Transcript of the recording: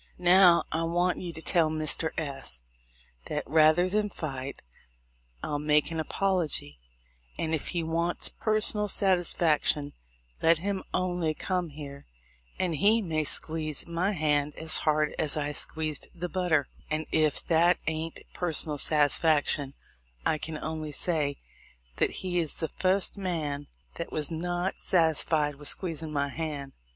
Now I want you to tell Mr. S that, rather than fight, I'll make any apology ; and, if he wants personal satisfaction, let him only come here, and he may squeeze my hand as hard as I squeezed the butter, and, if that ain't personal satisfaction, I can only say that he is the fust man that was not sat isfied with squeezin' my hand.